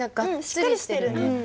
しっかりしてるね。